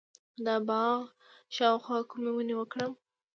د باغ شاوخوا کومې ونې وکرم؟